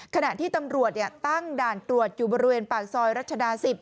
ขณะที่ตำรวจตั้งด่านตรวจอยู่บริเวณปากซอยรัชดา๑๐